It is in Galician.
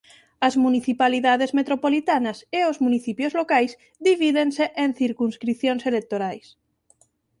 As municipalidades metropolitanas e os municipios locais divídense en circunscricións electorais.